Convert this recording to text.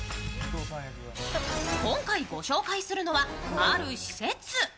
今回、ご紹介するのはある施設。